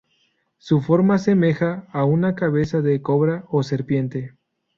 Su forma asemeja a una cabeza de cobra o serpiente.